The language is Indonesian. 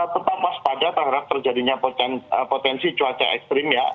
tetap waspada terhadap terjadinya potensi cuaca ekstrim ya